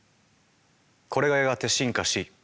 これがやがて進化し。